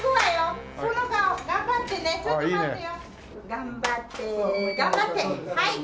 頑張って頑張って！